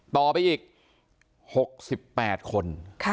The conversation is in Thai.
ต่อไปอีก๖๘คน